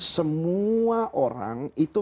semua orang itu